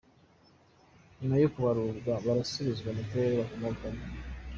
Nyuma yo kubarurwa barasubizwa mu Turere bakomokamo.